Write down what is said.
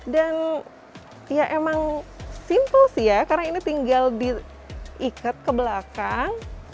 dan ya emang simpel sih ya karena ini tinggal diikat ke belakang